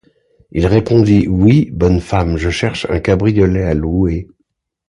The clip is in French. Il répondit: — Oui, bonne femme, je cherche un cabriolet à louer.